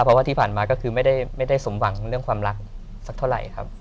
เพราะว่าที่ผ่านมาก็คือไม่ได้สมหวังเรื่องความรักสักเท่าไหร่ครับ